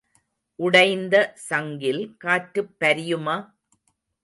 உடைந்த சங்கில் காற்றுப் பரியுமா?